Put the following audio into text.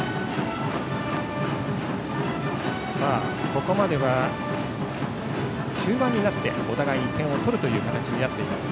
ここまでは中盤になってお互い点を取る形になっています。